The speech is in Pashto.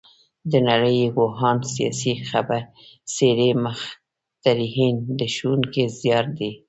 د نړۍ پوهان، سیاسي څېرې، مخترعین د ښوونکي زیار دی.